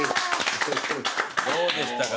どうでしたか？